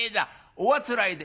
「おあつらえで？